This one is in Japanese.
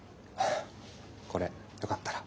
これよかったら。